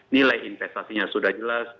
nilai investasinya sudah jelas